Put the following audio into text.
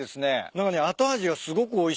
なのに後味がすごくおいしい。